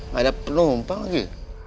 gak ada penumpang lagi